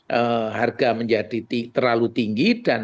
sehingga harga menjadi terlalu tinggi